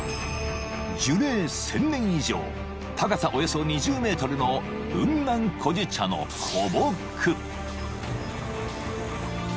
［樹齢１，０００年以上高さおよそ２０ｍの雲南古樹茶の古木］